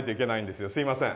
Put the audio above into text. すいません。